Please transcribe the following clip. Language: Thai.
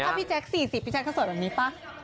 ถ้าพี่แจ๊ค๔๐พี่แจ๊เขาสวยแบบนี้ป่ะ